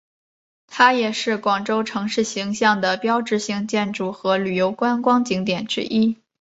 它也是广州城市形象的标志性建筑和旅游观光景点之一。